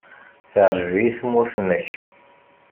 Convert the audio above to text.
Teɛjeb-iyi tmurt-nnek.